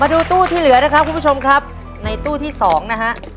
ดูตู้ที่เหลือนะครับคุณผู้ชมครับในตู้ที่๒นะฮะ